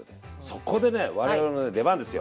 そこでね我々の出番ですよ。